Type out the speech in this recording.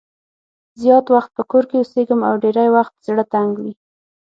زیات وخت په کور کې اوسېږم او ډېری وخت زړه تنګ وي.